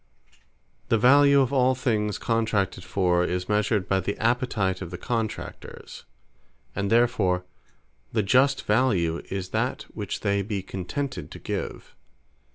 The value of all things contracted for, is measured by the Appetite of the Contractors: and therefore the just value, is that which they be contented to give.